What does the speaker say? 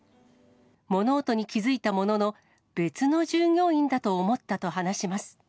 物音に気付いたものの、別の従業員だと思ったと話します。